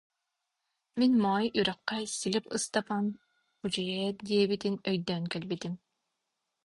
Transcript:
Мин Моой Үрэххэ Силип Ыстапаан Кудьайа диэбитин өйдөөн кэлбитим